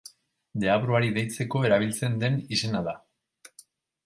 Deabruari deitzeko erabiltzen den izena da.